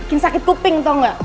bikin sakit kuping tau gak